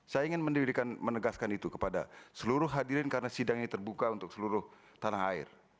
saya ingin menegaskan itu kepada seluruh hadirin karena sidang ini terbuka untuk seluruh tanah air